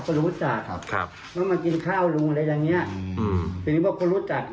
ไปไล่ตบเขาอย่างนี้นะ